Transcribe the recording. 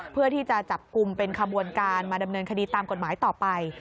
เพื่อที่จะจับกลุ่มเป็นขบวนการมาดำเนินคดีตามกฎหมายต่อไป